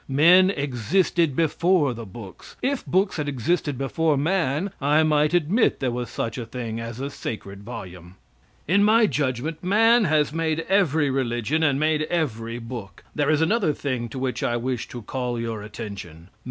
Men existed before the books. If books had existed before man, I might admit there was such a thing as a sacred volume. In my judgment man has made every religion and made every book. There is another thing to which I wish to call your attention.